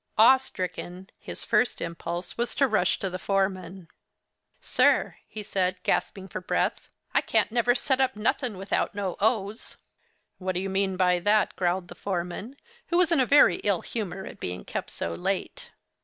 Awe stricken, his first impulse was to rush to the foreman. 'Sir!' said he, gasping for breath, 'I can't never set up nothing without no o's.' 'What do you mean by that?' growled the foreman, who was in a very ill humor at being kept so late.